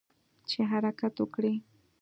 چې حرکت وکړي.